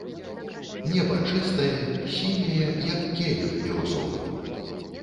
Неба чыстае, сіняе, як келіх бірузовы.